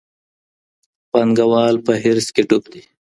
پانګه وال په حرص کي ډوب دي.